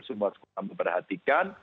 semua sekolah memperhatikan